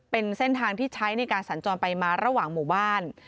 เป็นเส้นทางที่ใช้ในการสัญจรไปมาระหว่างหมู่บ้าน